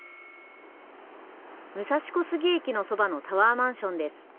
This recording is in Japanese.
武蔵小杉駅のそばのタワーマンションです。